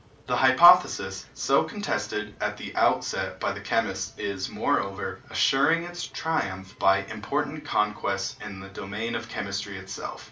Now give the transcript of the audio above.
The hypothesis, so contested at the outset by the chemists, is, moreover, assuring its triumph by important conquests in the domain of chemistry itself.